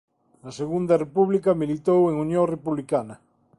Na Segunda República militou en Unión Republicana.